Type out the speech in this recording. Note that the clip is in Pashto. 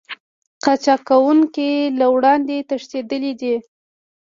قاچاق کوونکي له وړاندې تښتېدلي دي